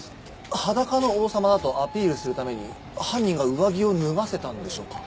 裸の王様だとアピールするために犯人が上着を脱がせたんでしょうか？